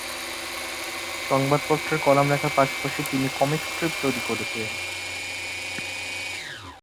সংবাদপত্রের কলাম লেখার পাশাপাশি তিনি কমিক স্ট্রিপ তৈরি করেছিলেন।